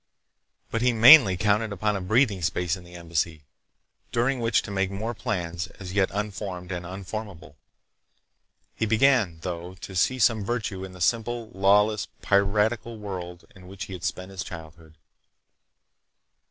But he mainly counted upon a breathing space in the Embassy, during which to make more plans as yet unformed and unformable. He began, though, to see some virtues in the simple, lawless, piratical world in which he had spent his childhood.